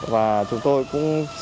và chúng tôi cũng sẽ giãn cách